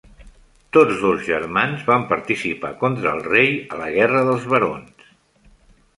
Tots dos germans van participar contra el rei a la Guerra dels Barons.